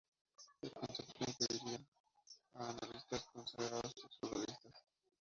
El concepto incluiría a analistas consagrados y ex futbolistas.